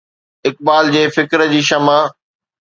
اقبال جي فڪر جي شمع